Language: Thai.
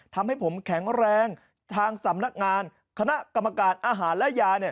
ทำให้ผมแข็งแรงทางสำนักงานคณะกรรมการอาหารและยาเนี่ย